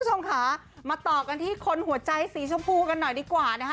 คุณผู้ชมค่ะมาต่อกันที่คนหัวใจสีชมพูกันหน่อยดีกว่านะคะ